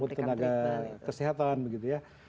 untuk tenaga kesehatan begitu ya